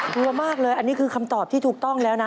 กลัวมากเลยอันนี้คือคำตอบที่ถูกต้องแล้วนะ